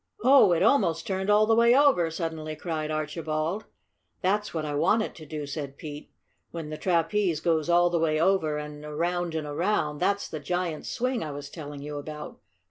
"Oh, it almost turned all the way over!" suddenly cried Archibald. "That's what I want it to do," said Pete. "When the trapeze goes all the way over and around and around, that's the giant's swing I was telling you about.